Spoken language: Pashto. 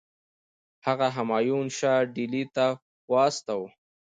هغه همایون شاه ډهلي ته واستوي.